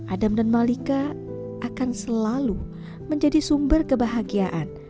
adam dan malika akan selalu menjadi sumber kebahagiaan